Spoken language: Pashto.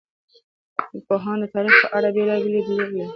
پوهان د تاریخ په اړه بېلابېل لیدلوري لري.